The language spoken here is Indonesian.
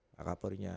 pak kapolri nya